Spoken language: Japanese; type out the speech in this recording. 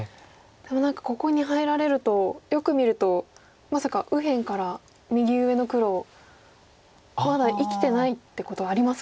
でも何かここに入られるとよく見るとまさか右辺から右上の黒まだ生きてないってことありますか？